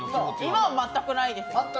今は全くないですよ。